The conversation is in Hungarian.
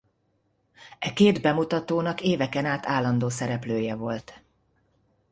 E két bemutatónak éveken át állandó szereplője volt.